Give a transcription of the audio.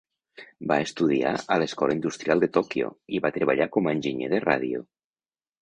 Va estudiar a l'escola industrial de Tòquio i va treballar com a enginyer de ràdio.